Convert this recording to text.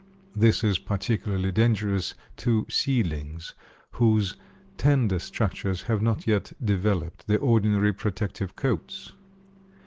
This is particularly dangerous to seedlings, whose tender structures have not yet developed the ordinary protective coats.